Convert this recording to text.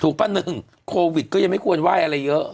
ปะหนึ่งโควิดก็ยังไม่ควรไหว้อะไรเยอะ